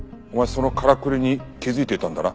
そのからくりに気づいていたんだな？